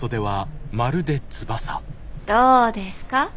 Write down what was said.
どうですか？